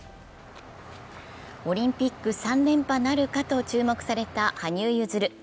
オリンピック３連覇なるかと注目された羽生結弦。